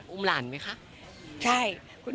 อุ้มหลานไหมคะใช่